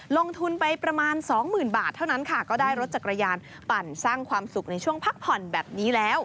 ลงทุนไปประมาณสองหมื่นบาทเท่านั้นค่ะก็ได้รถจักรยานปั่นสร้างความสุขในช่วงพักผ่อนแบบนี้แล้ว